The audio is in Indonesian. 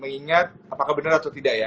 mengingat apakah benar atau tidak ya